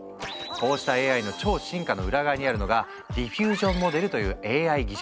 こうしたＡＩの超進化の裏側にあるのがディフュージョンモデルというＡＩ技術。